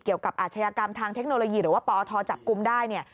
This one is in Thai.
อาชญากรรมทางเทคโนโลยีหรือว่าปอทจับกลุ่มได้เนี่ย